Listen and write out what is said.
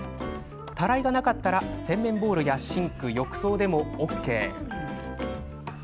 たらいがなかったら洗面ボウルやシンク浴槽でもＯＫ。